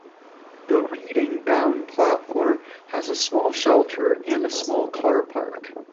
The Reading bound platform has a small shelter and a small car park.